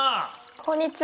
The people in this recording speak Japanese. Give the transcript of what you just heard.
こんにちは！